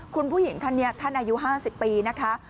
คุณผู้หญิงท่านนี้ท่านอายุ๕๐ปีนะคะ